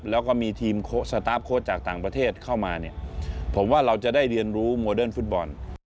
แล้วก็มีทีมสตาร์ฟโค้ชจากต่างประเทศเข้ามาเนี่ยผมว่าเราจะได้เรียนรู้โมเดิร์นฟุตบอล